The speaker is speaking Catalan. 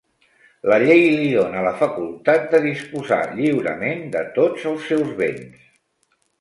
La llei li dona la facultat de disposar lliurement de tots els seus béns.